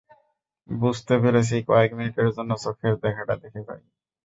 বুঝতে পেরেছি, কয়েক মিনিটের জন্য চোখের দেখাটা দেখে যাই?